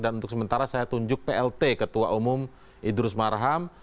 dan untuk sementara saya tunjuk plt ketua umum idrus marham